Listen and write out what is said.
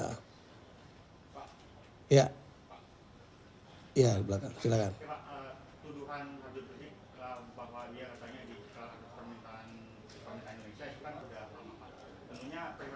tuduhan hb prisik bahwa dia katanya dikeluarkan ke pemerintahan indonesia sekarang sudah berlalu lama